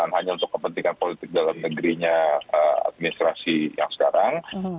hanya untuk kepentingan politik dalam negerinya administrasi yang sekarang